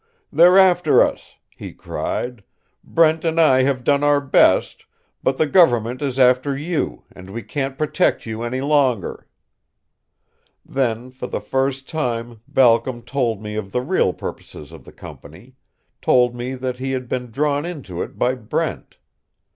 'They're after us!' he cried. 'Brent and I have done our best but the government is after you, and we can't protect you any longer.' "Then for the first time Balcom told me of the real purposes of the company, told me that he had been drawn into it by Brent.